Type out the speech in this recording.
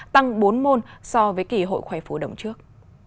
tăng bốn môn so với kỳ hội khoẻ phù đồng trước